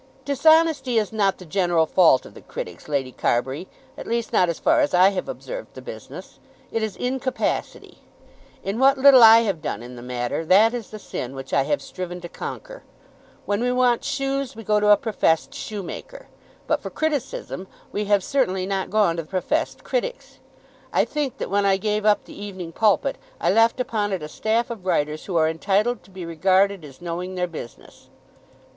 "Dishonesty is not the general fault of the critics, Lady Carbury, at least not as far as I have observed the business. It is incapacity. In what little I have done in the matter, that is the sin which I have striven to conquer. When we want shoes we go to a professed shoemaker; but for criticism we have certainly not gone to professed critics. I think that when I gave up the 'Evening Pulpit,' I left upon it a staff of writers who are entitled to be regarded as knowing their business."